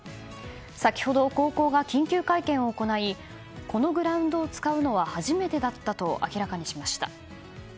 先ほど高校が緊急会見を行いこのグラウンドを使うのは初めてだったと明らかにしました。